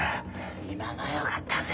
今のはよかったぜ。